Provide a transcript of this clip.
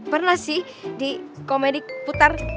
pernah sih di komedik putar